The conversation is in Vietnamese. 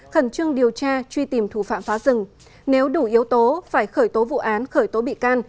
khẩn trương điều tra truy tìm thủ phạm phá rừng nếu đủ yếu tố phải khởi tố vụ án khởi tố bị can